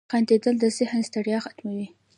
• خندېدل د ذهن ستړیا ختموي.